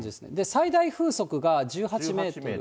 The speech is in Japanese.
最大風速が１８メートル。